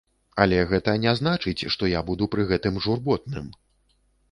Але гэта не значыць, што я буду пры гэтым журботным!